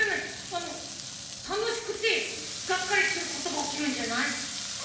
あのたのしくてガッカリすることがおきるんじゃない？